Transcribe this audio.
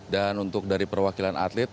dan untuk dari perwakilan atlet